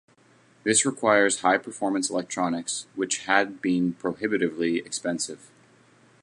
This requires high-performance electronics, which had been prohibitively expensive.